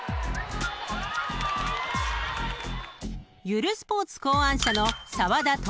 ［ゆるスポーツ考案者の］